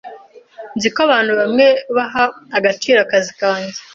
Nzi ko abantu bamwe baha agaciro akazi kanjye.